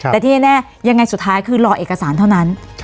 แต่ที่แน่ยังไงสุดท้ายคือรอเอกสารเท่านั้น